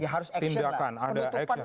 ya harus action lah